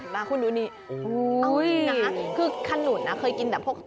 ตอนเขาใส่ลงไป